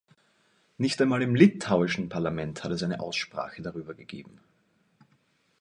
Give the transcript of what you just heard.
Nicht einmal im litauischen Parlament hat es eine Aussprache darüber gegeben.